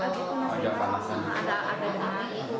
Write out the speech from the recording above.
terus masih ada demam